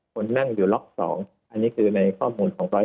คนนั่งอยู่ล็อก๒อันนี้คือในข้อมูลของ๑๐